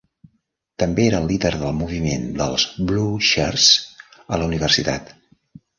També era el líder del moviment dels "Blueshirts" a la universitat.